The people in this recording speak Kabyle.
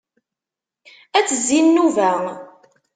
Ad d-tezzi nnuba.